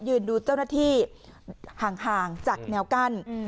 ดูเจ้าหน้าที่ห่างจากแนวกั้น